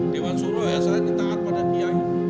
dewan suruh ya saya ditaat pada kiai